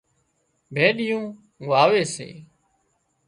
ڀيڏيون واوي سي